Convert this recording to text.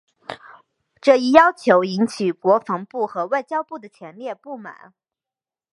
这一要求引起了国防部和外交部的强烈不满。